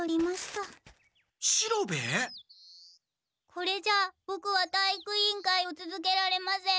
これじゃあボクは体育委員会をつづけられません。